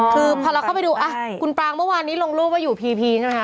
คือพอเราเข้าไปดูคุณปรางเมื่อวานนี้ลงรูปว่าอยู่พีพีใช่ไหมคะ